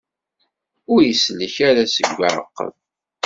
Ur isellek ara seg uɛaqeb.